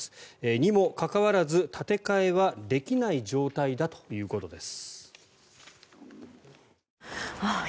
にもかかわらず、建て替えはできない状態だということです。